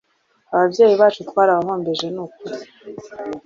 Ababyeyi bacu twarabahombeje nukuri